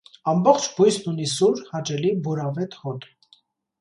Ամբողջ բույսն ունի սուր, հաճելի, բուրավետ հոտ։